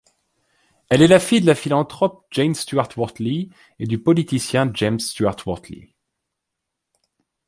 Elle est la fille de la philanthrope Jane Stuart-Wortley et du politicien James Stuart-Wortley.